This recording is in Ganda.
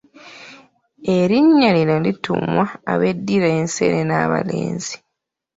Erinnya lino lituumwa abeddira enseenene abalenzi.